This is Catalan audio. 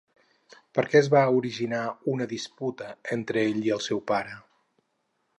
Per què es va originar una disputa entre ell i el seu pare?